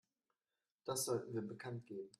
Das sollten wir bekanntgeben.